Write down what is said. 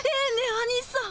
アニさん。